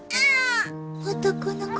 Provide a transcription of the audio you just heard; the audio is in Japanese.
男の子？